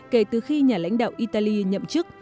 kể từ khi nhà lãnh đạo italy nhậm chức